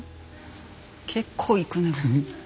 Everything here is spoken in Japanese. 結構いくね。